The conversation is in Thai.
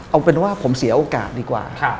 เอาเป็นว่าผมเสียโอกาสดีกว่า